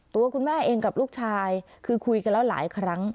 ตัวคุณแม่เองกับลูกชายคือคุยกันแล้วหลายครั้ง